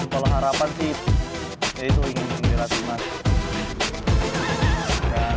kalau harapan sih ya itu ingin dirasakan